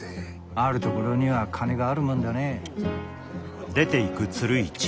あるところには金があるもんだね。